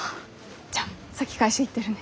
じゃあ先会社行ってるね。